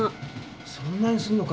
そんなにするのか？